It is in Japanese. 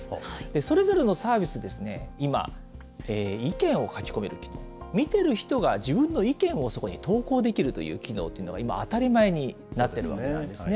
それぞれのサービス、今、意見を書き込める、見てる人が自分の意見をそこに投稿できるという機能というのが、今、当たり前になっているわけなんですね。